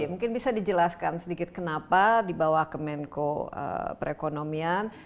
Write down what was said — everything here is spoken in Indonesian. mungkin bisa dijelaskan sedikit kenapa dibawa ke menko perekonomian